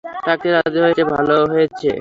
থাকতে রাজি হয়েছে ভালো হয়েছে।